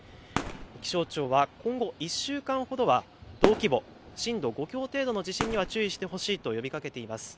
気象庁は今後１週間ほどは同規模、震度５強程度の地震には注意してほしいと呼びかけています。